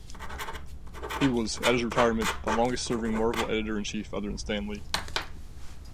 He was, at his retirement, the longest-serving Marvel editor-in-chief other than Stan Lee.